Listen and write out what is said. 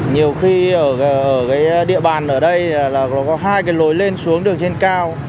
nhiều khi ở cái địa bàn ở đây là có hai cái lối lên xuống đường trên cao